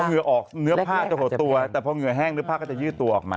เหงื่อออกเนื้อผ้าจะหดตัวแต่พอเหงื่อแห้งเนื้อผ้าก็จะยืดตัวออกมา